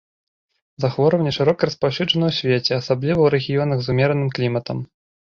Захворванне шырока распаўсюджана ў свеце, асабліва ў рэгіёнах з умераным кліматам.